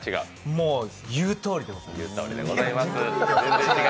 もう、言うとおりでございます。